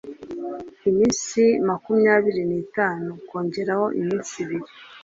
iminsi makumyabiri n’itanu kongeraho iminsi ibiri